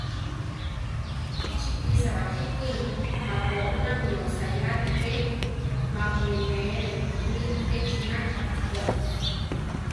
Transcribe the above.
Chi kisá bakíki mapu oná mi osayá atíke, mapu ínere mí echina atikó.